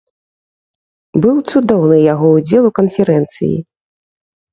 Быў цудоўны яго ўдзел у канферэнцыі.